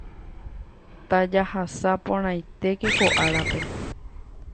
Tajahasa porãitéke ko árape.